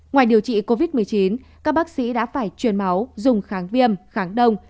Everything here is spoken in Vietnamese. ngoài điều trị covid một mươi chín các bác sĩ đã phải truyền máu dùng kháng viêm kháng đông